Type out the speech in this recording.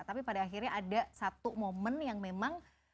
tapi pada akhirnya ada satu momen yang memang